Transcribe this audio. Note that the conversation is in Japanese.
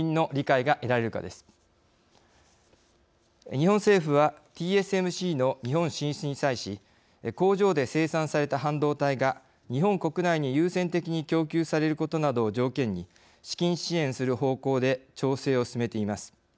日本政府はＴＳＭＣの日本進出に際し工場で生産された半導体が日本国内に優先的に供給されることなどを条件に資金支援する方向で調整を進めています。